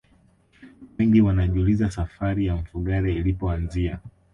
wengi wanajiuliza safari ya mfugale ilipoanzia